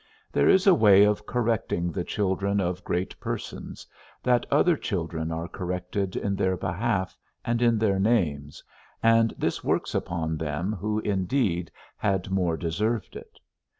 There is a way of correcting the children of great persons, that other children are corrected in their behalf, and in their names, and this works upon them who indeed had more deserved it.